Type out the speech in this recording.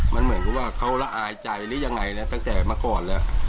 มันเหมือนกับว่าเขาละอายใจหรือยังไงนะตั้งแต่เมื่อก่อนแล้ว